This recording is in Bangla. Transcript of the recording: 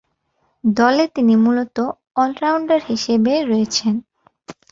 দলে তিনি মূলতঃ অল-রাউন্ডার হিসেবে রয়েছেন।